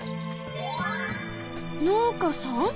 農家さん？